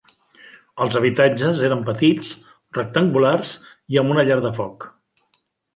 Els habitatges eren petits, rectangulars i amb una llar de foc.